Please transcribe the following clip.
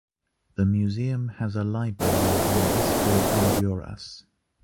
The museum has a library on the history of Honduras.